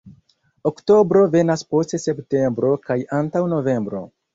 Oktobro venas post septembro kaj antaŭ novembro.